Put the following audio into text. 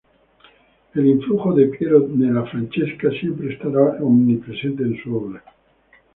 El influjo de Piero della Francesca siempre estará omnipresente en su obra.